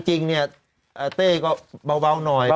จริงเนี่ยเต้ก็เบาหน่อย